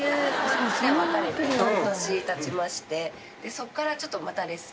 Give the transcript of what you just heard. そっからちょっと。